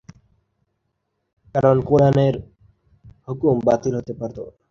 কারণ কুরআনের হুকুম বাতিল হতে পারত।